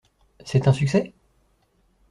C’est un succès ?